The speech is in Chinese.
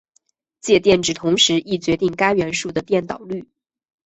价电子同时亦决定该元素的电导率。